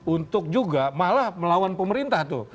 untuk juga malah melawan pemerintah tuh